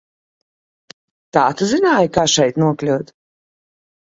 Tā tu zināji, kā šeit nokļūt?